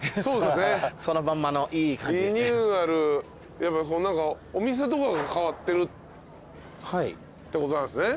やっぱお店とかが変わってるってことなんですね。